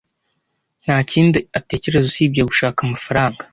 Nta kindi atekereza usibye gushaka amafaranga.